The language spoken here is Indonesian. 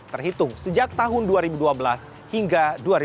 terhitung sejak tahun dua ribu dua belas hingga dua ribu dua puluh